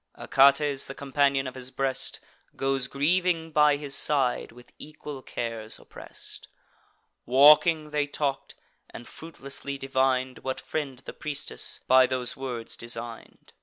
Achates, the companion of his breast, Goes grieving by his side, with equal cares oppress'd. Walking, they talk'd, and fruitlessly divin'd What friend the priestess by those words design'd.